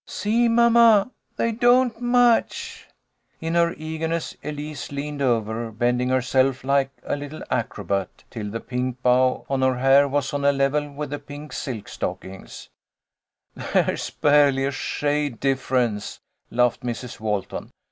" See, mamma, they don't match." In her eagerness Elise leaned over, bending herself like a little acrobat, till the pink bow on her hair was on a level with the pink silk stockings. "There's barely a shade difference," laughed Mrs. Walton.